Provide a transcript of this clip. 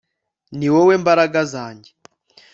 Ni wowe Mbaraga zanjye